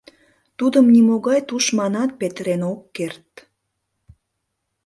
Тудым нимогай тушманат петырен ок керт!